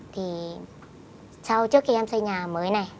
thì sau trước khi em xây nhà mới này